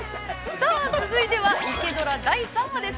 ◆さあ続いては、「イケドラ」、第３話です。